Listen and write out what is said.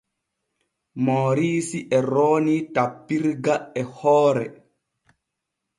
Mooriisi e roonii tappirga e hoore.